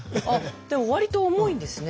でも割と重いんですね。